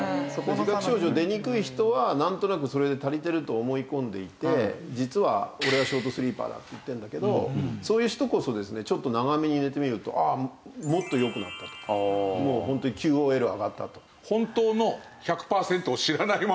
自覚症状出にくい人はなんとなくそれで足りてると思い込んでいて実は「俺はショートスリーパーだ」って言ってるんだけどそういう人こそですねちょっと長めに寝てみるともっとよくなったりもうホントにＱＯＬ上がったと。